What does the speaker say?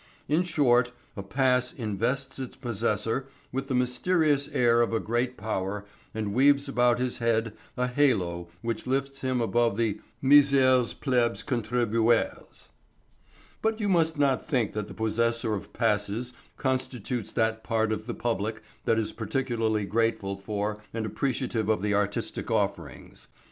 In short, a pass invests its possessor with the mysterious air of a great power and weaves about his head a halo which lifts him above the misers plebs contribuens. But you must not think that the possessor of passes constitutes that part of the public that is particularly grateful for and appreciative of the artistic offerings.